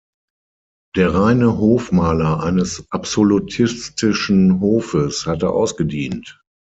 Der reine Hofmaler eines absolutistischen Hofes hatte ausgedient.